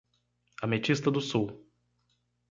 Ametista do Sul